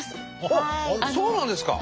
あっそうなんですか！